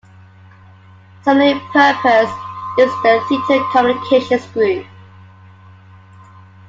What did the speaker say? Similar in purpose is the Theatre Communications Group.